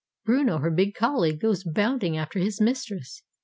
Bruno, her big collie, goes bounding after his mistress.